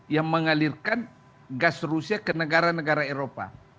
yang mengalirkan gas rusia ke negara negara eropa